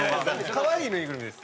かわいいぬいぐるみです。